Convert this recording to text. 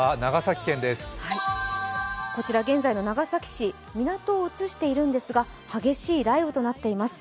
こちら現在の長崎市、港を映しているんですが、激しい雷雨となっています。